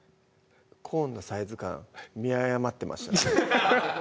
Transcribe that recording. コーンのサイズ感見誤ってました